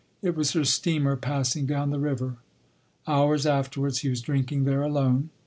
It was her steamer passing down the river. Hours afterwards he was drinking there alone....